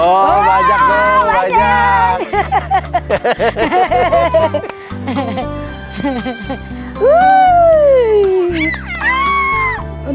oh banyak dong banyak